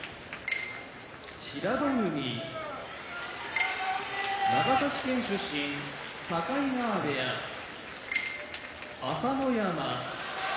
平戸海長崎県出身境川部屋朝乃山